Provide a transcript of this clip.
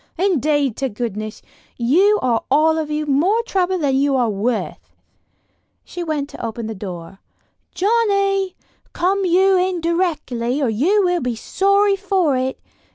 Indeed to goodness, you are all of you more trouble than you are worth." She went to the open door: "Johnnie! Come you in directly, or you will be sorry for it.